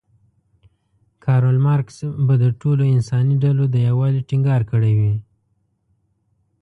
کارل مارکس به د ټولو انساني ډلو د یووالي ټینګار کړی وی.